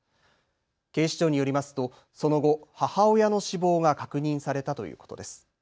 警視庁によりますとその後、母親の死亡が確認されたということです。